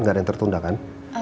nggak ada yang tertunda kan